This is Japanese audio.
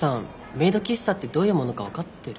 メイド喫茶ってどういうものか分かってる？